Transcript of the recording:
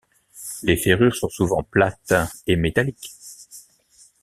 Les ferrures sont souvent plates et métalliques.